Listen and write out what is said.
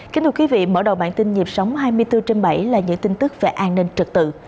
kính thưa quý vị mở đầu bản tin nhịp sống hai mươi bốn trên bảy là những tin tức về an ninh trật tự